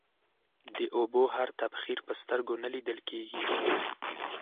د اوبو هر تبخير په سترگو نه ليدل کېږي.